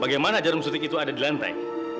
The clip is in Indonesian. bagaimana jarum sutik itu ada di lantai